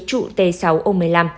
chủ t sáu ô một mươi năm